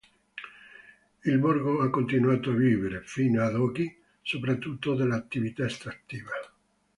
Il borgo ha continuato a vivere, fino ad oggi, soprattutto dell'attività estrattiva.